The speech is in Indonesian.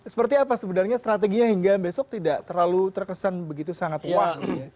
seperti apa sebenarnya strateginya hingga besok tidak terlalu terkesan begitu sangat wah